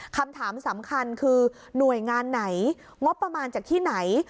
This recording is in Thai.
คำถามสำคัญคือหน่วยงานไหนงบประมาณจากที่ไหน